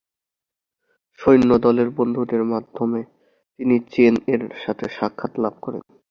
সৈন্যদলের বন্ধুদের মাধ্যমে তিনি চেন-এর সাথে সাক্ষাৎ লাভ করেন।